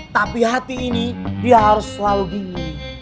tapi hati ini dia harus selalu dingin